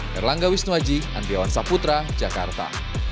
herlangga wisnuaji andriawan saputra jakarta